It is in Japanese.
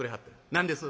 何です？」。